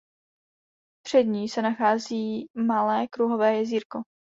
Před ní se nachází malé kruhové jezírko.